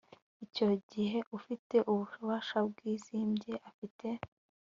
Icyo gihe ufite ububasha bwizimbye afite